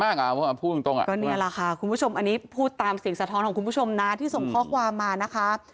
คุณผู้ชมอันนี้พูดตามเสียงสะท้อนของคุณผู้ชมนะที่ส่งข้อความมานะคะ